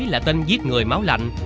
là tên giết người máu lạnh